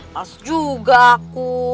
masa juga aku